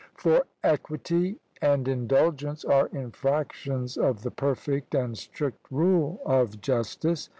For equity and indulgence are infractions of the perfect and strict rule of justice.